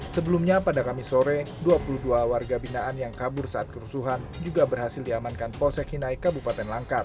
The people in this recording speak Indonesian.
sebelumnya pada kamis sore dua puluh dua warga binaan yang kabur saat kerusuhan juga berhasil diamankan polsek hinai kabupaten langkat